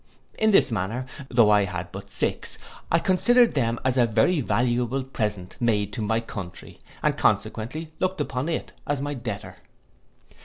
In this manner, though I had but six, I considered them as a very valuable present made to my country, and consequently looked upon it as my debtor.